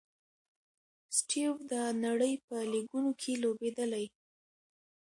سټیو و د نړۍ په لیګونو کښي لوبېدلی.